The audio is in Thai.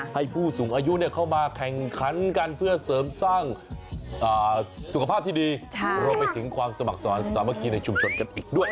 ผู้สูงอายุเข้ามาแข่งขันกันเพื่อเสริมสร้างสุขภาพที่ดีรวมไปถึงความสมัครสอนสามัคคีในชุมชนกันอีกด้วย